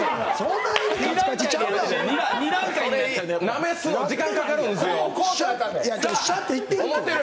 なめすの時間かかるんですよ。